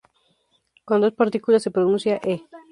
Cuando es partícula se pronuncia "e".